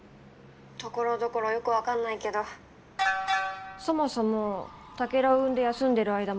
ところどころよく分かんないけどそもそもタケルを産んで休んでる間もお給金が出たんだろ？